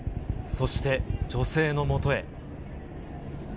そして女性のもとへ。